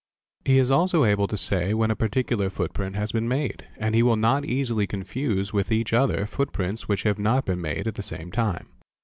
He is also able to say li A es _ when a particular footprint has been made, and he will not easily confuse with each other footprints which have not been made at the same time.